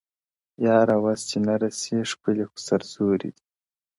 ياره وس دي نه رسي ښكلي خو ســرزوري دي!